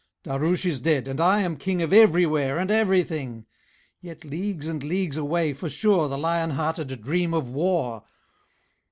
"Daroosh is dead, and I am King Of Everywhere and Everything: Yet leagues and leagues away for sure The lion hearted dream of war.